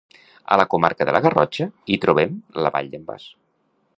A la comarca de la Garrotxa hi trobem la Vall d'en Bas.